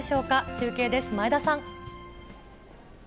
中継です、前田さん。